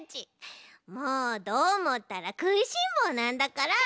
もうどーもったらくいしんぼうなんだから！